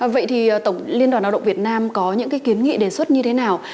vậy thì tổng liên đoàn lao động việt nam có những kiến nghị đề xuất như thế nào